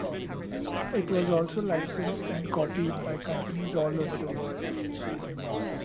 It was also licensed and copied by companies all over the world.